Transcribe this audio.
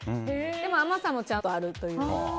でも甘さもちゃんとあるという。